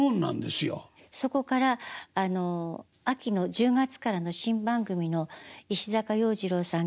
そこから秋の１０月からの新番組の石坂洋次郎さん